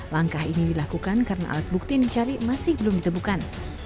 langkah ini dilakukan karena alat bukti yang dicari masih belum ditemukan